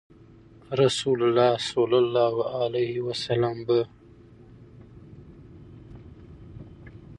رسول الله صلی الله عليه وسلم به